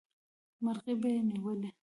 مرغۍ به یې نیولې.